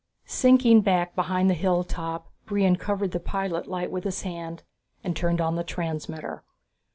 Sinking back behind the hilltop, Brion covered the pilot light with his hand and turned on the transmitter.